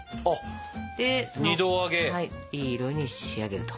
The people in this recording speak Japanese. いい色に仕上げると。